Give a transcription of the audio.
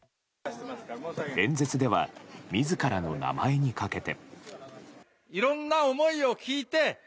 演説では自らの名前にかけて。